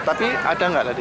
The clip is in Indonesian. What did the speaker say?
tapi ada nggak tadi